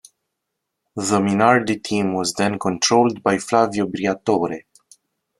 The Minardi team was then controlled by Flavio Briatore.